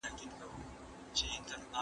ټولنپوه وويل چي پايلې بدلېږي.